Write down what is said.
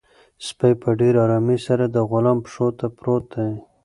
سپی په ډېر ارامۍ سره د غلام پښو ته پروت دی.